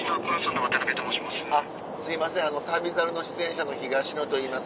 すいません『旅猿』の出演者の東野といいます。